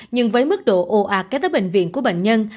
nhưng với mức độ ô ạc kế tới bệnh viện của bệnh nhân